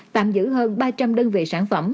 tạm giữ hơn ba trăm linh đơn vị sản phẩm